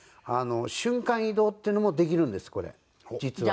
瞬間移動っていうのもできるんですこれ実は。